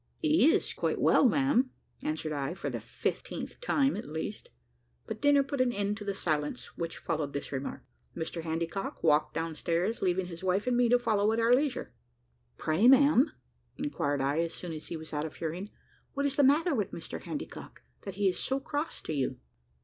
"He is quite well, ma'am," answered I, for the fifteenth time at least. But dinner put an end to the silence which followed this remark. Mr Handycock walked downstairs, leaving his wife and me to follow at our leisure. "Pray, ma'am," inquired I, as soon as he was out of hearing, "what is the matter with Mr Handycock, that he is so cross to you?"